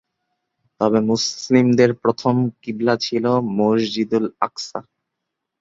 তবে মুসলিমদের প্রথম কিবলা ছিল মসজিদুল আকসা।